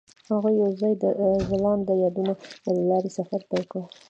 هغوی یوځای د ځلانده یادونه له لارې سفر پیل کړ.